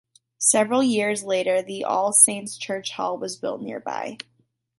Several years later the All Saints Church Hall was built nearby.